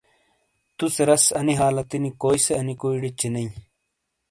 توسے رس انی حالتی نی کوسے انی کویئ ڑے چینئ۔